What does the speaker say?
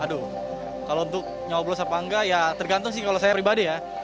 aduh kalau untuk nyoblos apa enggak ya tergantung sih kalau saya pribadi ya